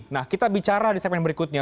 nah kita bicara di segmen berikutnya